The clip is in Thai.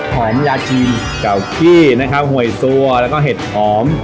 ยาชีเก่าขี้นะครับหวยซัวแล้วก็เห็ดหอม